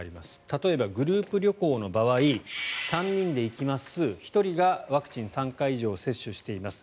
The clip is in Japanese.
例えばグループ旅行の場合３人で行きます１人がワクチン３回以上接種しています。